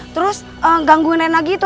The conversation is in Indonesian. terus gangguin reina gitu